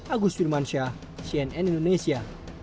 agus firman shah cnn indonesia